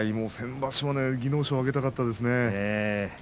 先場所、技能賞をあげたかったですね。